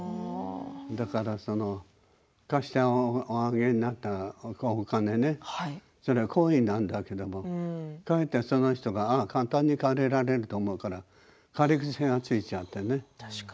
だから貸しておあげになったお金ねそれは好意なんだけどかえってその人がああ簡単に借りられると思うから借り癖がついちゃってね。